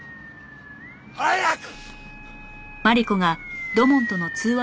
「」早く！